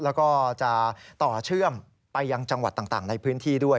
แล้วก็จะต่อเชื่อมไปยังจังหวัดต่างในพื้นที่ด้วย